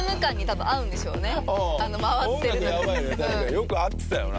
よく合ってたよな。